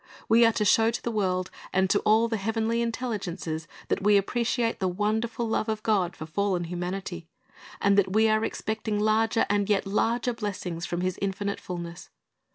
We are to show to the world and to all the heavenly intelligences that we appreciate the wonderful love of God for fallen humanity, and that we are expecting larger and yet larger blessings from His infinite fulness.